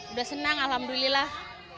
udah senang alhamdulillah